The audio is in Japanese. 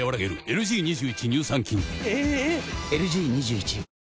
⁉ＬＧ２１